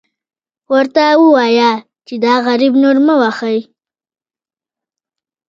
ورته ووایه چې دا غریب نور مه وهئ.